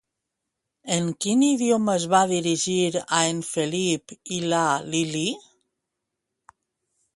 En quin idioma es va dirigir a en Felip i la Lilí?